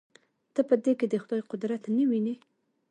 ته په دې کښې د خداى قدرت نه وينې.